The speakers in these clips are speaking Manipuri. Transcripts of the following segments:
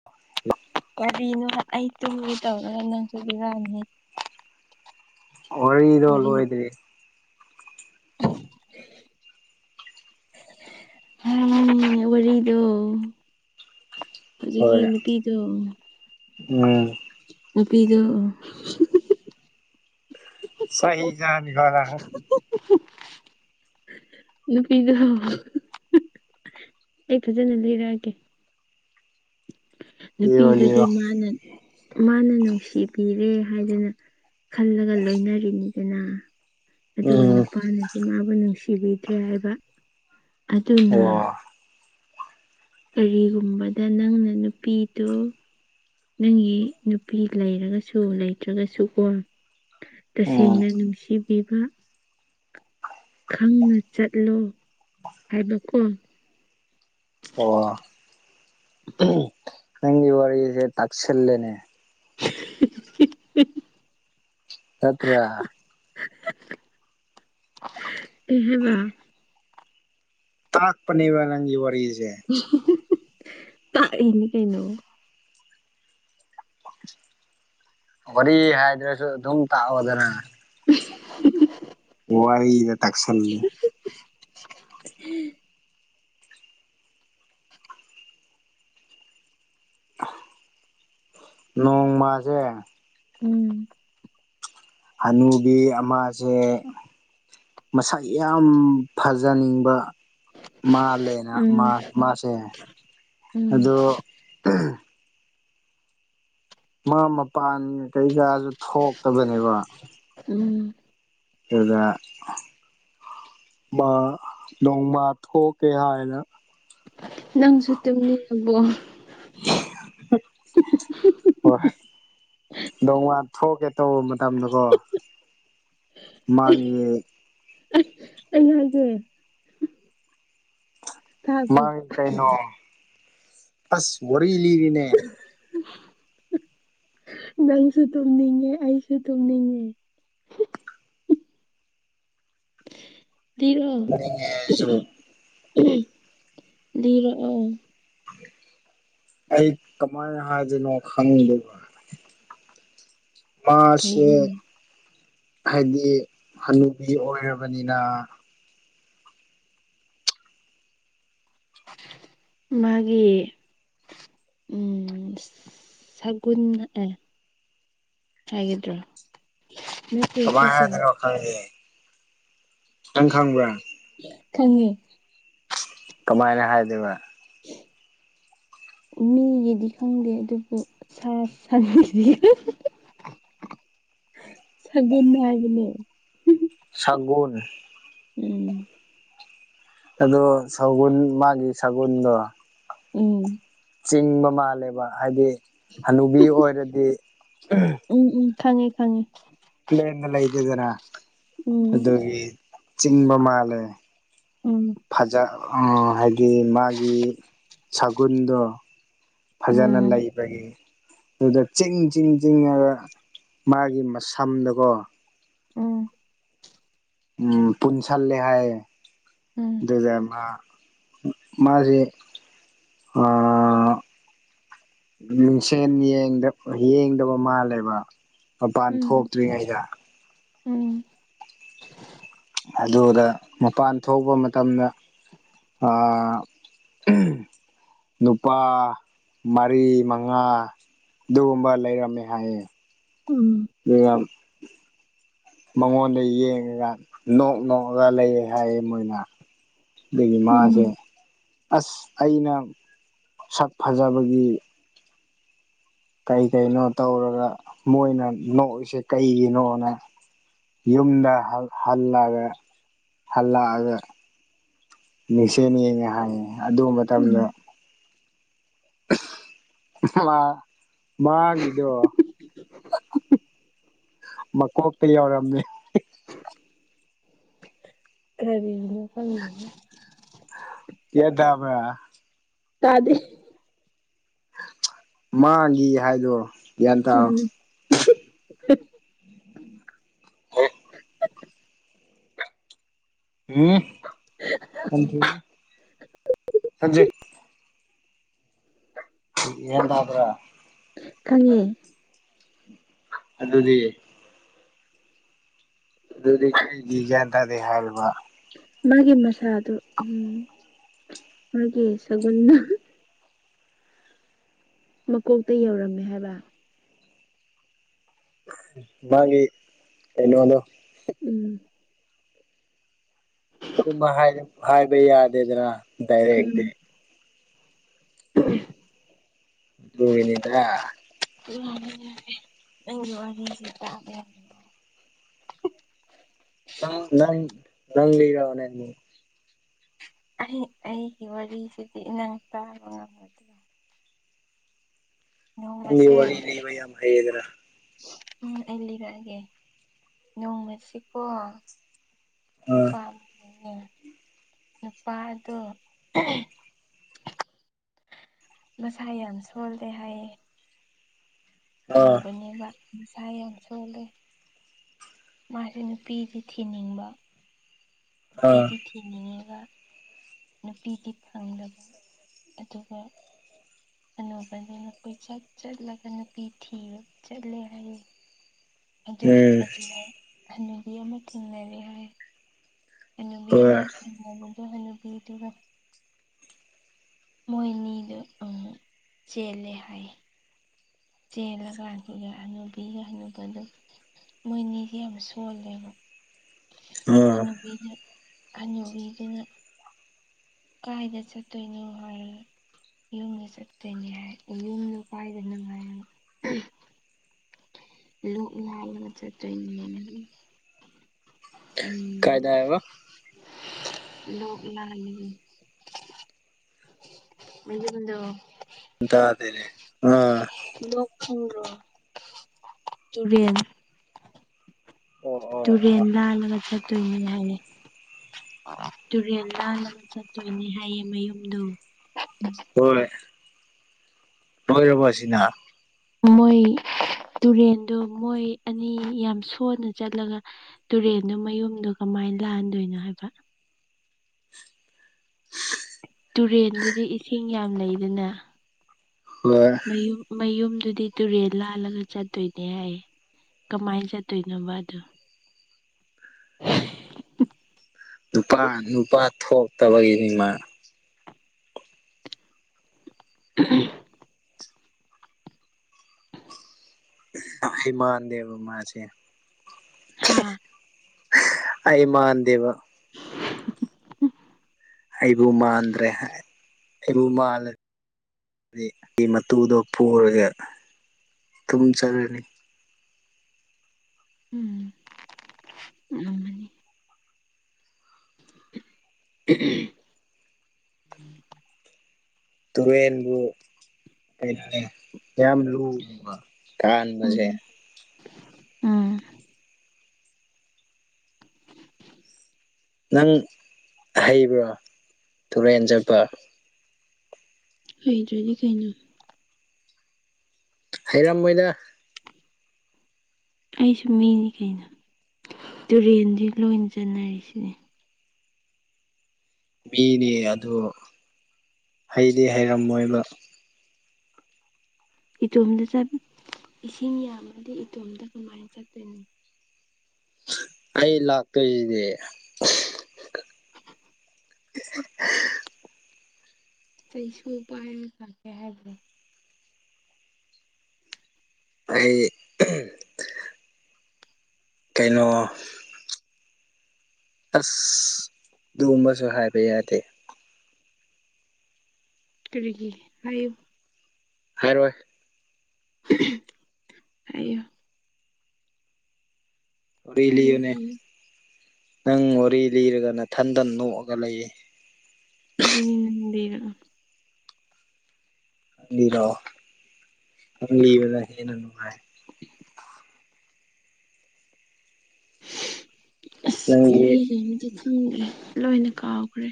[unintelligible] ꯀꯔꯤꯅꯣꯗ ꯑꯩ ꯇꯨꯝꯒꯦ ꯇꯧꯔ ꯅꯪꯁꯨ ꯕꯤꯔꯅꯤꯍꯦ ꯋꯥꯔꯤꯗꯣ ꯋꯥꯔꯤꯗꯤ ꯂꯣꯏꯗ꯭ꯔꯤ [inaudible] ꯋꯥꯔꯤꯗꯣ ꯍꯧꯖꯤꯛꯀꯤ ꯍꯣꯏ ꯅꯨꯄꯤꯗꯣ ꯎꯝ ꯅꯨꯄꯤꯗꯣ ꯆꯥꯍꯤ ꯖꯅꯤ [unintelligible] ꯅꯨꯄꯤꯗ ꯑꯩ ꯐꯖꯅ ꯂꯩꯔꯛꯑꯒꯦ ꯂꯤꯔꯣ ꯅꯨꯄꯤꯗꯨꯗꯤ ꯂꯤꯔꯣ ꯃꯥꯅꯅꯦ ꯃꯥꯅ ꯅꯨꯡꯁꯤꯕꯤꯔꯦ ꯍꯥꯏꯗꯅ ꯈꯜꯂꯒ ꯂꯣꯏꯅꯔꯤꯅꯤꯗꯅ ꯑꯗꯨꯒ ꯎꯝ ꯅꯨꯄꯥꯅꯗꯤ ꯃꯥꯕꯨ ꯅꯨꯡꯁꯤꯕꯤꯗ꯭ꯔꯦ ꯍꯥꯏꯕ ꯑꯗꯨꯅ ꯑꯣ ꯀꯔꯤꯒꯨꯝꯕꯗ ꯅꯪꯅ ꯅꯨꯄꯤꯗꯨ ꯅꯪꯒꯤ ꯅꯨꯄꯤ ꯂꯩꯔꯒꯁꯨ ꯂꯩꯇ꯭ꯔꯒꯁꯨꯀꯣ ꯎꯝ ꯇꯁꯦꯡꯅ ꯅꯨꯡꯁꯤꯕꯤꯕ ꯈꯪꯅ ꯆꯠꯂꯣ ꯍꯥꯏꯕꯀꯣ ꯑꯣ ꯅꯪꯒꯤ ꯋꯥꯁꯦ ꯇꯥꯛ ꯁꯜꯂꯅꯦ [unintelligible] ꯅꯠꯇ꯭ꯔ [unintelligible] ꯇꯥꯛ ꯄꯅꯤꯕ ꯅꯪꯒꯤ ꯋꯥꯔꯤꯁꯦ ꯇꯥꯛꯏꯅꯤ ꯀꯩꯅꯣ ꯋꯥꯔꯤ ꯍꯥꯏꯗ꯭ꯔꯁꯨ ꯑꯗꯨꯝ ꯇꯥꯛꯑꯣꯗꯅ [unintelligible] ꯋꯥꯔꯤꯒꯥ ꯇꯛꯁꯜꯂꯤ ꯅꯣꯡꯃꯁꯦ ꯎꯝ ꯍꯅꯨꯕꯤ ꯑꯃꯁꯦ ꯃꯁꯛ ꯌꯥꯝ ꯐꯖꯅꯤꯡꯕ ꯃꯥꯜꯂꯦꯅ ꯃꯥ ꯎꯝ ꯃꯥꯁꯦ ꯎꯝ ꯑꯗꯣ ꯃꯥ ꯃꯄꯥꯟ ꯀꯩꯀꯥꯁꯨ ꯊꯣꯛꯇꯕꯅꯦꯕ ꯎꯝ ꯑꯗꯨꯗ ꯃꯥ ꯅꯣꯡꯃ ꯊꯣꯛꯀꯦ ꯍꯥꯏꯅ ꯅꯪꯁꯨ ꯇꯨꯝꯅꯤ ꯑꯕꯣ [unintelligible] ꯍꯣꯏ [unintelligible] ꯊꯣꯛꯀꯦ ꯇꯧꯔꯝꯕ ꯇꯝꯗꯀꯣ ꯃꯥꯒꯤ ꯑ ꯑꯩ ꯍꯥꯏꯒꯦ ꯇꯥꯕ꯭ꯔꯣ ꯃꯥ ꯀꯩꯅꯣ ꯑꯁ ꯋꯥꯔꯤ ꯂꯤꯔꯤꯅꯦ [inaudible] ꯅꯪꯁꯨ ꯇꯨꯝꯅꯤꯡꯉꯦ ꯑꯩꯁꯨ ꯇꯨꯝꯅꯤꯡꯉꯦ [inaudible] ꯇꯨꯝꯅꯤꯡꯉꯦ ꯑꯩꯁꯨ [unintelligible] ꯂꯤꯔꯛꯑꯣ ꯑꯩ ꯀꯃꯥꯏꯅ ꯍꯥꯏꯗꯣꯏꯅꯣ [unintelligible] [unintelligible] ꯃꯥꯁꯦ ꯀꯩꯒꯤꯅꯣ ꯍꯥꯏꯗꯤ ꯍꯅꯨꯄꯤ ꯑꯣꯏꯔꯕꯅꯤꯅ ꯃꯥꯒꯤ ꯎꯝ ꯁꯒꯨꯟ ꯑꯦ ꯍꯥꯏꯒꯤꯗ꯭ꯔꯥ ꯀꯃꯥꯏ ꯍꯥꯏꯗꯣꯏꯅꯣ ꯈꯪꯒꯦ ꯈꯤꯇꯪ ꯈꯪꯕ꯭ꯔꯥ ꯈꯪꯉꯦ ꯀꯃꯥꯏꯅ ꯍꯥꯏꯗꯣꯏꯕ ꯃꯤꯒꯤꯗꯤ ꯈꯪꯗꯦ ꯑꯗꯨꯕꯨ ꯁꯥ ꯁꯟꯗꯤ [inaudible] ꯁꯒꯨꯝ ꯍꯥꯏꯕꯅꯦ ꯁꯒꯨꯟ ꯎꯝ ꯑꯗꯣ ꯁꯒꯨꯟ ꯃꯥꯒꯤ ꯁꯒꯨꯟꯗꯣ ꯎꯝ ꯆꯤꯡꯕ ꯃꯥꯜꯂꯦꯕ ꯍꯥꯏꯗꯤ ꯍꯅꯨꯕꯤ ꯑꯣꯏꯔꯗꯤ ꯎꯝ ꯎꯝ ꯈꯪꯉꯦ ꯈꯪꯉꯦ ꯄ꯭ꯂꯦꯟꯗ ꯂꯩꯗꯦꯗꯅ ꯎꯝ ꯑꯗꯨꯒꯤ ꯆꯤꯡꯕ ꯃꯥꯜꯂꯦ꯫ ꯎꯝ ꯐꯖ ꯍꯥꯏꯗꯤ ꯃꯥꯒꯤ ꯁꯒꯨꯜꯗꯣ ꯐꯖꯅ ꯎꯝ ꯂꯩꯕꯒꯤ ꯑꯗꯨꯗ ꯆꯤꯡ ꯆꯤꯟ ꯆꯤꯡꯉꯒ ꯃꯥꯒꯤ ꯃꯁꯝꯗꯀꯣ ꯎꯝ ꯎꯝ ꯄꯟꯁꯜꯂꯦ ꯍꯥꯏꯌꯦ ꯎꯝ ꯗꯨꯗ ꯃꯥ ꯃꯥꯁꯦ ꯑꯥ ꯃꯤꯡꯁꯦꯜ ꯌꯦꯡꯗ ꯌꯦꯡꯗꯕ ꯃꯥꯜꯂꯦꯕ ꯃꯄꯥꯟ ꯊꯣꯛꯇ꯭ꯔꯤꯉꯩꯗ ꯎꯝ ꯑꯗꯨ ꯃꯄꯥꯟ ꯊꯣꯛꯄ ꯃꯇꯝꯗ ꯑꯥ ꯅꯨꯄꯥ ꯃꯔꯤ ꯃꯉꯥ ꯑꯗꯨꯒꯨꯝꯕ ꯂꯩꯔꯝꯃꯦ ꯍꯥꯏꯌꯦ ꯎꯝ ꯑꯗꯨꯒ ꯃꯉꯣꯟꯗ ꯌꯦꯡꯉꯒ ꯅꯣꯛ ꯅꯣꯛꯅꯕꯒ ꯂꯩꯌꯦ ꯍꯥꯏꯌꯦ ꯃꯣꯏꯅ ꯑꯗꯒꯤ ꯃꯥꯁꯦ ꯎꯝ ꯑꯁ ꯑꯩꯅ ꯁꯛ ꯐꯖꯕꯒꯤ ꯀꯩ ꯀꯩꯅꯣ ꯇꯧꯔꯒ ꯃꯣꯏꯅ ꯅꯣꯛꯏꯁꯦ ꯀꯩꯒꯤꯅꯣꯅ ꯌꯨꯝꯗ ꯍꯜꯂꯒ ꯍꯜꯂꯛꯑꯒ ꯃꯤꯡꯁꯦꯜ ꯌꯦꯡꯉꯦ ꯍꯥꯏꯌꯦ ꯑꯗꯨ ꯃꯇꯝꯗ ꯎꯝ ꯃꯥ ꯃꯥꯒꯤꯗꯣ ꯃꯀꯣꯛꯇ ꯌꯥꯎꯔꯝꯅꯦ ꯀꯔꯤꯅꯣ ꯈꯪꯗꯦ ꯇꯥꯕꯔꯥ ꯇꯥꯗꯦ ꯃꯥꯡꯒꯤ ꯍꯥꯏꯗꯣ ꯒ꯭ꯌꯥꯟ ꯇꯥꯎ ꯎꯝ [unintelligible] [unintelligible] ꯒꯌꯦꯟ ꯇꯕ꯭ꯔꯥ ꯈꯪꯉꯦ ꯑꯗꯨꯗꯤ ꯑꯗꯨꯗꯤ ꯀꯩꯒꯤ ꯒ꯭ꯌꯥꯟ ꯇꯥꯗꯦ ꯍꯥꯏꯔꯤꯕ ꯃꯥꯒꯤ ꯃꯁꯥ ꯑꯗꯨ ꯎꯝ ꯃꯥꯒꯤ ꯁꯒꯨꯟꯅ ꯃꯀꯣꯛꯇ ꯌꯧꯔꯝꯃꯦ ꯍꯥꯏꯕ ꯃꯥꯒꯤ ꯀꯩꯅꯣꯗꯣ ꯎꯝ ꯑꯗꯨꯃꯥꯏ ꯍꯥꯏ ꯍꯥꯏꯕ ꯌꯥꯗꯦꯗꯅ ꯗꯥꯏꯔꯦꯛ ꯎꯝ [unintelligible] ꯑꯗꯨꯒꯤꯅꯤꯗꯥ [unintelligible] ꯅꯪ ꯅꯪꯂꯤꯔꯣꯅꯦ ꯑꯩ ꯑꯩꯒꯤ ꯋꯥꯔꯤꯁꯤꯗꯤ ꯏꯅꯥꯥꯡ ꯇꯥꯕ ꯉꯝꯒꯗ꯭ꯔꯦ ꯅꯣꯡꯃꯁꯦ ꯋꯥꯔꯤ ꯂꯩꯕ ꯌꯥꯝ ꯍꯩꯌꯦꯗꯅ ꯎꯝ ꯑꯩ ꯂꯤꯔꯛꯑꯒꯦ ꯅꯣꯡꯃꯁꯤꯀꯣ ꯑꯥ ꯅꯨꯄꯥ ꯑꯃꯌꯦ ꯅꯨꯄꯥꯗꯣ ꯃꯁꯥ ꯌꯥꯝ ꯁꯣꯜꯂꯦ ꯍꯥꯏꯌꯦ ꯑꯥ ꯍꯥꯅꯨꯕꯅꯤꯕ ꯃꯁꯥ ꯌꯥꯝ ꯁꯣꯂꯦ ꯃꯥꯁꯦ ꯅꯨꯄꯤꯗꯤ ꯊꯤꯅꯤꯡꯕ ꯑꯥ ꯅꯨꯄꯤꯗꯤ ꯊꯤꯅꯤꯡꯉꯤꯕ ꯅꯨꯄꯤꯗꯤ ꯐꯪꯗꯕ ꯑꯗꯨꯒ꯫ ꯑꯅꯧꯕꯅ ꯅꯈꯣꯏ ꯆꯠ ꯆꯠꯂꯒ ꯅꯨꯄꯤ ꯊꯤꯕ ꯆꯠꯂꯦ ꯍꯥꯏꯌꯦ ꯑꯗꯨꯅ ꯎꯝ ꯑꯗꯨꯅꯦ ꯍꯅꯨꯕꯤ ꯑꯃ ꯊꯦꯡꯅꯔꯦ ꯍꯥꯏ꯫ ꯑꯅꯨꯕꯤ ꯍꯣꯏ ꯑꯃ ꯊꯦꯡꯅꯕꯗꯣ ꯍꯅꯨꯕꯤꯗꯨꯒ ꯃꯣꯏꯅꯤꯗꯨ ꯎꯝ ꯆꯦꯜꯂꯦ ꯍꯥꯏꯌꯦ ꯆꯦꯜꯂꯀꯥꯟꯒ ꯑꯅꯨꯕꯤ ꯗꯨꯒ ꯍꯅꯨꯕ ꯗꯨꯒ ꯃꯣꯏꯅꯤꯁꯦ ꯌꯥꯝ ꯁꯣꯜꯂꯦꯕ ꯑꯥ ꯑꯩꯅꯕ [inaudible] ꯀꯥꯏꯗ ꯆꯠꯇꯣꯏꯅꯣ ꯍꯥꯏꯔ ꯌꯨꯝꯗ ꯆꯠꯇꯣꯏꯅꯦ ꯍꯥꯏ ꯌꯨꯝꯗꯣ ꯀꯥꯏꯗꯅꯣ ꯍꯥꯢꯔ ꯂꯣꯛꯅꯤ ꯍꯥ [inaudible] ꯏꯌꯦ ꯆꯠꯇꯣꯢꯅꯦ ꯀꯥꯏꯗ ꯍꯥꯏꯕ ꯂꯣꯠ [inaudible] ꯅꯍꯟꯒꯤ ꯃꯌꯨꯝꯗꯣ ꯇꯥꯗꯦꯅꯦ ꯑꯥ [inaudible] ꯂꯣꯈꯟꯗ꯭ꯔ ꯇꯨꯔꯦꯟ ꯑꯣ ꯑꯣ ꯇꯨꯔꯦꯟ ꯑꯣ ꯂꯥꯜꯂꯒ ꯆꯠꯇꯣꯏꯅꯤ ꯍꯥꯏꯅꯤ ꯇꯨꯔꯦꯟ ꯂꯜꯂꯒ ꯆꯠꯇꯣꯏꯅꯦ ꯍꯥꯏꯌꯦ ꯃꯌꯨꯝꯗꯣ ꯍꯣꯏ ꯂꯣꯏꯔꯕꯣ ꯑꯁꯤꯅ ꯃꯣꯏ ꯇꯨꯔꯦꯟꯗꯣ ꯃꯣꯏ ꯑꯅꯤ ꯌꯥꯝ ꯁꯣꯟꯂ ꯆꯠꯂꯒ ꯇꯨꯔꯦꯜꯗꯣ ꯃꯌꯨꯝꯗꯣ ꯀꯃꯥꯏꯅ ꯂꯥꯛꯍꯟꯗꯣꯏꯅꯣ ꯍꯥꯏꯕ ꯇꯨꯔꯦꯟꯗꯨꯗꯤ ꯏꯁꯤꯡ ꯌꯥꯝ ꯂꯩꯗꯅ ꯍꯣꯏ꯫ ꯃꯌꯨꯝ ꯃꯌꯨꯝꯗꯨꯗꯤ ꯇꯨꯔꯦꯜ ꯂꯥꯜꯂꯒ ꯆꯠꯇꯣꯏꯅꯦ ꯍꯥꯏꯌꯦ ꯀꯃꯥꯏꯅ ꯆꯠꯇꯣꯏꯅꯣꯕ ꯑꯗꯨ ꯅꯨꯄꯥ ꯅꯨꯄꯥ ꯊꯣꯛꯇꯕꯒꯤ ꯃꯥ ꯎ [inaudible] ꯍꯤꯃꯥꯟ [inaudible] ꯗꯦꯕ ꯃꯥꯁꯦ ꯍꯥ ꯑꯩ ꯃꯥꯟꯗꯦꯕ [inaudible] ꯑꯩꯕꯨ ꯃꯥꯟꯗ꯭ꯔꯦ ꯍꯥꯏ ꯑꯩꯕꯨ ꯃꯥꯜꯂꯔꯗꯤ ꯃꯇꯨꯗꯣ ꯄꯨꯔꯒ ꯇꯨꯝ ꯆꯠꯂꯅꯤ꯫ ꯎꯝ ꯎꯝ [inaudible] ꯇꯨꯔꯦꯟꯕꯨ ꯀꯌꯥꯝ ꯂꯨꯕ ꯎꯝ ꯀꯥꯟꯕꯁꯦ ꯎꯝ ꯅꯪ ꯍꯩꯕ꯭ꯔꯣ ꯇꯨꯔꯦꯟ ꯆꯠꯄ ꯍꯩꯇ꯭ꯔꯗꯤ ꯀꯩꯅꯣ꯫ ꯍꯩꯔꯝꯃꯣꯏꯗ꯫ ꯑꯩꯁꯨ ꯃꯤꯅꯤ ꯀꯩꯅꯣ ꯇꯨꯔꯦꯟꯁꯤ ꯂꯣꯏꯅ ꯆꯠꯅꯔꯤꯁꯤꯅꯦ ꯃꯤꯅꯤ ꯑꯗꯨ ꯍꯩꯗꯤ ꯍꯩꯔꯝꯃꯣꯏꯕ ꯏꯇꯣꯝꯗ ꯏꯁꯤꯡ ꯌꯥꯝꯃꯗꯤ ꯏꯇꯣꯝꯗ ꯀꯃꯥꯏꯅ ꯆꯠꯇꯣꯏꯅꯤ ꯑꯩ ꯂꯥꯛꯇꯣꯏꯁꯤꯗꯤ ꯆꯩꯁꯨ ꯄꯥꯏꯔꯒ ꯂꯥꯛꯀꯦ ꯍꯥꯏꯕ꯭ꯔꯣ ꯑꯩ ꯀꯩꯅꯣ꯫ ꯑꯁ ꯑꯗꯨꯒꯨꯝꯕꯁꯨ ꯍꯥꯏꯕ ꯌꯥꯗꯦ ꯀꯔꯤꯒꯤ ꯍꯥꯏꯌꯨ ꯍꯥꯏꯔꯣꯏ꯫ ꯍꯥꯏꯌꯣ꯫ ꯋꯥꯔꯤ ꯍꯥꯏꯌꯨ ꯂꯤꯌꯨꯅꯦ ꯍꯥꯏꯌꯨ ꯅꯪ ꯋꯥꯔꯤ ꯂꯤꯔꯒ ꯅꯊꯟꯇꯟ ꯅꯣꯛꯑꯒ ꯂꯩꯌꯦ ꯑꯗꯨꯗꯤ ꯅꯪ ꯂꯤꯔꯛꯑꯣ ꯂꯤꯔꯥꯛꯑꫭ ꯅꯪ ꯂꯤꯕꯅ ꯍꯦꯟꯅꯥ ꯅꯨꯡꯉꯥꯏ ꯑꯁ ꯅꯪꯒꯤ [unintelligible] ꯇꯨꯝꯃꯤ ꯂꯣꯏꯅ ꯀꯥꯎꯈ꯭ꯔꯦ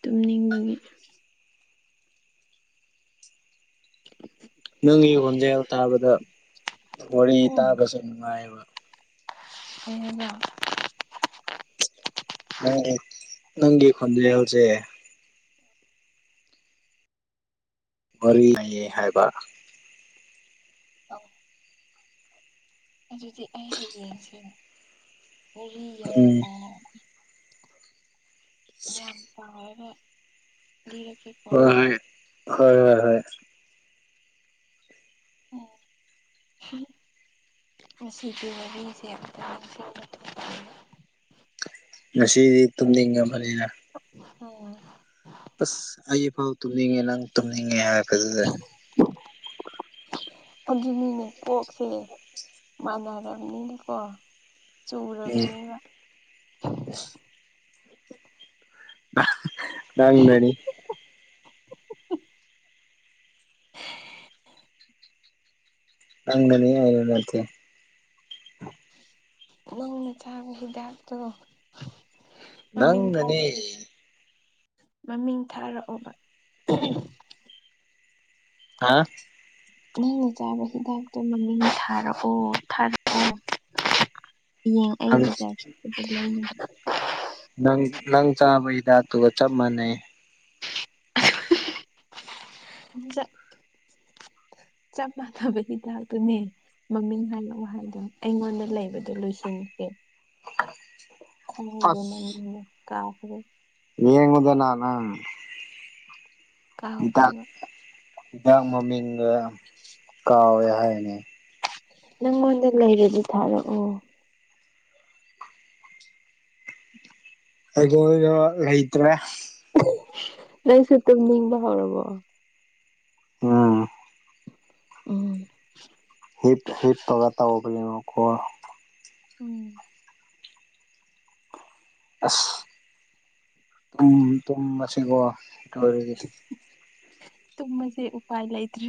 ꯇꯨꯝꯅꯤꯡꯕꯒꯤ꯫ ꯅꯪꯒꯤ ꯈꯣꯟꯖꯦꯜ ꯇꯥꯕꯗ ꯋꯥꯔꯤ ꯎꯝ ꯇꯥꯕꯁꯨ ꯅꯨꯡꯉꯥꯏꯑꯦꯕ ꯀꯩ ꯍꯥꯏꯕ ꯅꯪꯒꯤ ꯅꯪꯒꯤ ꯈꯣꯟꯖꯦꯜꯁꯦ ꯋꯥꯔꯤ ꯂꯩꯌꯦ ꯍꯥꯏꯕ꯫ [inaudible] ꯑꯗꯨꯗꯤ ꯑꯩ ꯍꯌꯦꯡꯁꯦ ꯋꯥꯔꯤ ꯌꯥꯝ ꯎꯝ ꯄꯥꯝꯃꯦ ꯌꯥꯝ ꯄꯥꯔꯒ ꯂꯤꯔꯛꯀꯦꯀꯣ ꯍꯣꯏ ꯍꫭꯠ ꯍꯣꯏ ꯍꯣꯏ ꯍꯣꯏ ꯎꯝ [unintelligible] ꯉꯁꯤꯗꯤ ꯋꯥꯔꯤꯁꯦ ꯑꯃꯇꯥ ꯅꯤꯡꯁꯤꯡꯕ ꯊꫭꯛꯇꯔꯦꯕ ꯉꯁꯤꯗꯤ ꯇꯨꯝꯅꯤꯡꯉꯕꯅꯤꯅ ꯎꯝ ꯇꯥꯁ ꯑꯩꯐꯥꯎ ꯇꯨꯝꯅꯤꯡꯉꯦ ꯅꯪ ꯇꯨꯝꯅꯤꯡꯉꯦ ꯍꯥꯏꯔꯄꯗꯨꯗꯥ ꯑꯗꯨꯅꯤꯅꯦ ꯀꯣꯛꯁꯦ ꯃꯥꯟꯅꯔꯅꯤꯅꯀꯣ ꯎꯝ ꯆꯨꯔꯕꯅꯤꯅ ꯅꯪꯅꯅꯤ꯫ ꯅꯪꯅꯅꯤ ꯑꯩꯅ ꯅꯠꯇꯦ ꯅꯪꯅ ꯆꯥꯕ ꯍꯤꯗꯥꯛꯇꯣ ꯃꯃꯤꯡ ꯅꯪꯅꯅꯦ꯫ ꯊꯥꯔꯛ ꯃꯃꯤꯡ ꯊꯥꯔꯛꯑꯣꯕ ꯍꯥ ꯅꯪꯅ ꯆꯥꯕ ꯍꯤꯗꯥꯛꯇꯣ ꯃꯃꯤꯡ ꯊꯥꯔꯛꯑꯣ ꯊꯥꯔꯛꯑꯣ ꯍꯌꯦꯡ ꯑꯩ ꯅꯪ ꯕꯖ꯭ꯔꯥ ꯆꯠꯄꯗ ꯂꯩꯅꯕ ꯅꯪ ꯅꯪ ꯆꯥꯕ ꯍꯤꯗꯥꯛꯇꯨꯒ ꯆꯞ ꯃꯥꯟꯅꯩ꯫ [unintelligible] ꯆꯞ ꯃꯥꯟꯅꯕ ꯍꯤꯗꯥꯛꯗꯨꯅꯦ ꯃꯃꯤꯡ ꯍꯥꯏꯔꯛꯑꯣ ꯍꯥꯏꯕ ꯑꯩꯉꯣꯟꯗ ꯂꯩꯕꯗꯣ ꯂꯣꯏꯁꯤꯟ ꯈꯔꯦ ꯈꯪꯗꯔꯦ ꯃꯃꯤꯡꯗꫭ ꯀꯥꯎꯈ꯭ꯔꯦ ꯌꯦꯉꯨꯗꯅꯥ ꯅꯪ ꯗꯥꯛ ꯀꯥꯎꯈ꯭ꯔꯦꯕ ꯍꯤꯗꯥꯛ ꯃꯃꯤꯡꯒ ꯀꯥꯎꯋꯦ ꯍꯥꯏꯅꯦ ꯅꯪꯉꯣꯟꯗ ꯂꯩꯔꯗꯤ ꯊꯥꯔꯛꯑꯣ꯫ ꯑꯩꯉꫭꯟꯗꯥ ꯂꯩꯩꯇ꯭ꯔꯦ꯫ ꯅꯪꯁꯨ ꯇꯨꯝꯅꯤꯡꯕꯍꯧꯔꯕꯔꫭ ꯎꯝ ꯎꯝ ꯍꯩꯞ ꯍꯩꯞꯄꯒ ꯇꯧꯕꯅꯦꯕꯀꯣ꯫ ꯎꯝ ꯑꯁ ꯇꯨꯝ ꯇꯨꯝ ꯑꯁꯤꯀꯣ ꯇꯧꯔꯤꯁꯦ ꯇꯨꯝꯃꯁꯦ ꯎꯄꯥꯏ ꯂꯩꯇ꯭ꯔꯦ